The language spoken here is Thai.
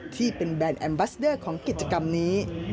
ที่เป็นแบรนด์แอมบัสเดอร์ของกิจกรรมนี้